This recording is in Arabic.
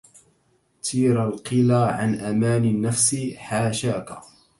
تيرَ القِلى عن أماني النفس حاشاكِ